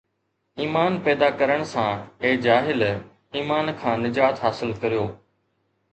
ايمان پيدا ڪرڻ سان، اي جاهل، ايمان کان نجات حاصل ڪريو